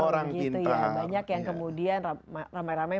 banyak yang kemudian ramai ramai